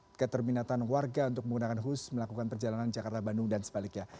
dekat keterminatan warga untuk menggunakan hus melakukan perjalanan jakarta bandung dan sebaliknya